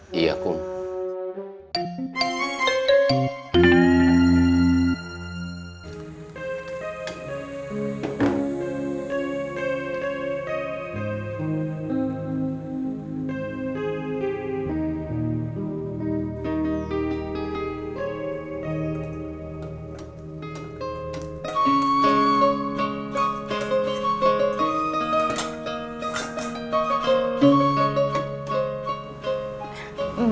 tanya sama sending